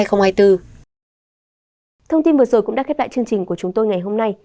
thông tin vừa rồi cũng đã khép lại chương trình của chúng tôi ngày hôm nay